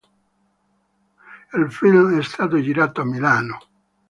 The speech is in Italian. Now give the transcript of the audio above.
Il film è stato girato a Milano.